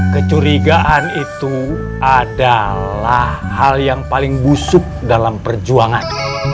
kecurigaan itu adalah hal yang paling busuk dalam perjuangan